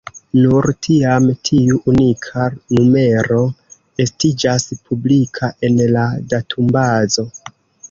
Nur tiam, tiu unika numero estiĝas publika en la datumbazo.